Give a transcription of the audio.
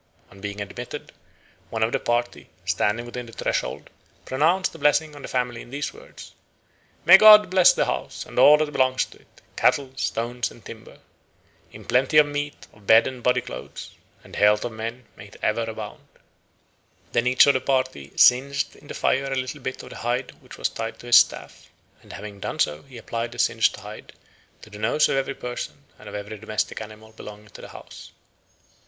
On being admitted, one of the party, standing within the threshold, pronounced a blessing on the family in these words: "May God bless the house and all that belongs to it, cattle, stones, and timber! In plenty of meat, of bed and body clothes, and health of men may it ever abound!" Then each of the party singed in the fire a little bit of the hide which was tied to his staff; and having done so he applied the singed hide to the nose of every person and of every domestic animal belonging to the house.